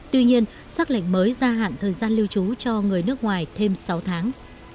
tuy nhiên xác lệnh mới gia hạn thời gian lưu trú cho người nước ngoài thêm sáu tháng